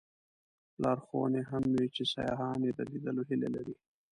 لارښوونې هم وې چې سیاحان یې د لیدلو هیله لري.